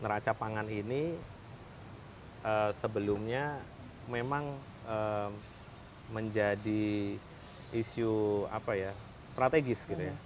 neraca pangan ini sebelumnya memang menjadi isu strategis